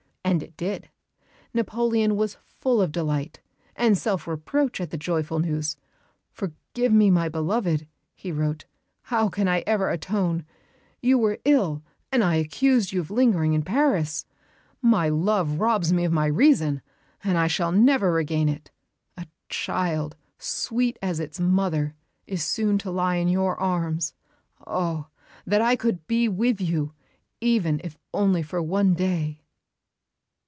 And it did. Napoleon was full of delight and self reproach at the joyful news. "Forgive me, my beloved," he wrote. "How can I ever atone? You were ill and I accused you of lingering in Paris. My love robs me of my reason, and I shall never regain it.... A child, sweet as its mother, is soon to lie in your arms. Oh! that I could be with you, even if only for one day!"